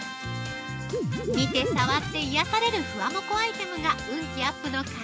◆見て触って癒やされるフワモコアイテムが運気アップの鍵。